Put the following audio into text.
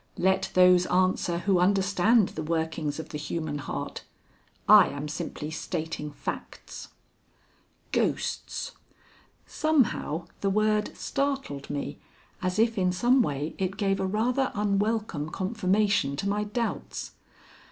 Let those answer who understand the workings of the human heart. I am simply stating facts. Ghosts! Somehow the word startled me as if in some way it gave a rather unwelcome confirmation to my doubts.